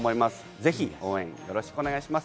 ぜひ応援よろしくお願いします。